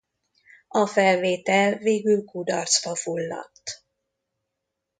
A felvétel végül kudarcba fulladt.